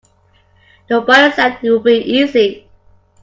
Nobody said it would be easy.